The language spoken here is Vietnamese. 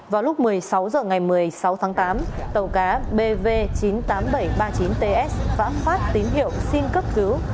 vào lúc một mươi sáu h ngày một mươi sáu tháng tám tàu cá bv chín mươi tám nghìn bảy trăm ba mươi chín ts đã phát tín hiệu xin cấp cứu